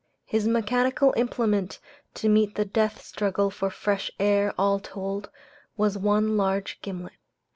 His mechanical implement to meet the death struggle for fresh air, all told, was one large gimlet.